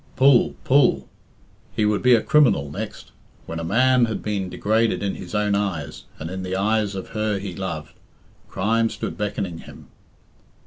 Pull, pull! He would be a criminal next. When a man had been degraded in his own eyes, and in the eyes of her he loved, crime stood beckoning him.